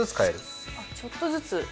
あっちょっとずつ。